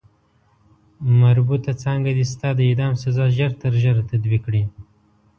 مربوطه څانګه دې ستا د اعدام سزا ژر تر ژره تطبیق کړي.